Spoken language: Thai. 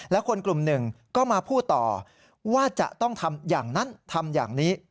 และคนกลุ่มหนึ่งก็มาพูดต่อว่าจะต้องทำอย่างนั้นทำอย่างนี้